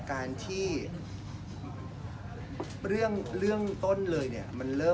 อะไรแบบนี้